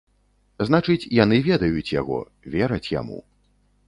Значыць, яны ведаюць яго, вераць яму.